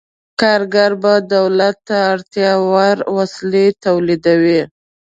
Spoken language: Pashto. کارګر به دولت ته اړتیا وړ وسلې تولیدوي.